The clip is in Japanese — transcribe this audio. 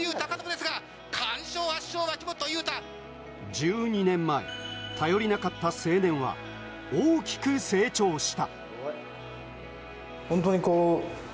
１２年前、頼りなかった青年は大きく成長した。